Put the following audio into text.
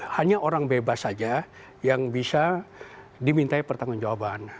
hanya orang bebas saja yang bisa dimintai pertanggung jawaban